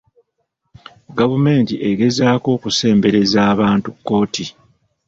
Gavumenti egezaako okusembereza abantu kkooti.